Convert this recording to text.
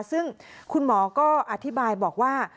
ซึ่งคุณหมอก็อธิบายบอกว่า